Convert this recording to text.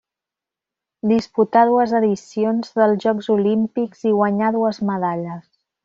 Disputà dues edicions dels Jocs Olímpics i guanyà dues medalles.